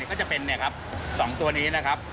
ก็จะเป็น๒ตัวนี้นะครับ